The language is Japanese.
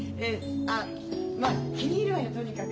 あっまあ気に入るわよとにかく。